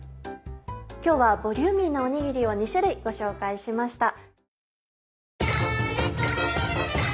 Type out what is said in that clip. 今日はボリューミーなおにぎりを２種類ご紹介しました。